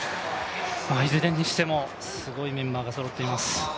いずれにしても、すごいメンバーがそろっています。